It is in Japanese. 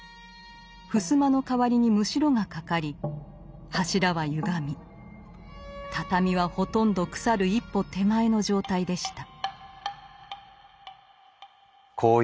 ふすまの代わりにムシロがかかり柱はゆがみ畳はほとんど腐る一歩手前の状態でした。